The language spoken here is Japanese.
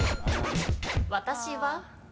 私は。